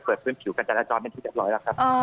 เผิดพื้นผิวกันเจราะจรมันเป็นที่เรียบร้อยแล้วครับ